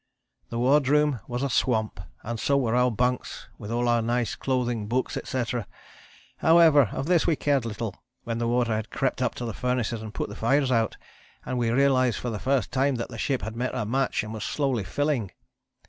The wardroom was a swamp and so were our bunks with all our nice clothing, books, etc. However, of this we cared little, when the water had crept up to the furnaces and put the fires out, and we realized for the first time that the ship had met her match and was slowly filling.